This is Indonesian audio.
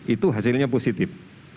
itu hasilnya positif